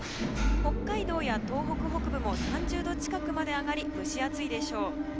北海道や東北北部も３０度近くまで上がり蒸し暑いでしょう。